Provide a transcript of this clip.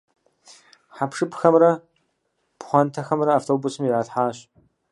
Хьэпшыпхэмрэ пхъуантэхэмрэ автобусым иралъхьащ.